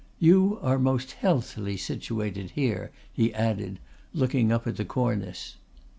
You are most healthily situated here," he added, looking up at the cornice.